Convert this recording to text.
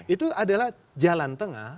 itu adalah jalan tengah